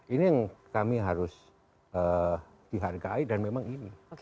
ini yang kami harus dihargai dan memang ini